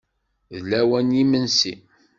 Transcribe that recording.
D lawan n yimensi.